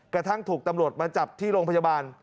กระทั่งถูกตำรวจมาจับที่โรงพยาบาล